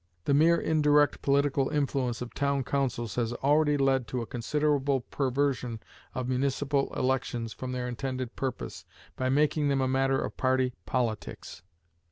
The mere indirect political influence of town councils has already led to a considerable perversion of municipal elections from their intended purpose, by making them a matter of party politics.